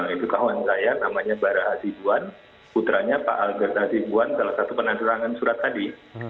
itu kawan saya namanya bara azibuan putranya pak albert hazibuan salah satu penanggulangan surat tadi